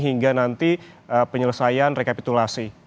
hingga nanti penyelesaian rekapitulasi